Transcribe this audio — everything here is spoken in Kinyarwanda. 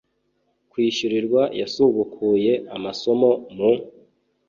kwishyurirwa yasubukuye amasomo mu